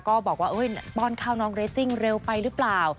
ก็บอกว่าป้อนข้าวน้องเรสซิ่งเร็วไปหรือเปล่า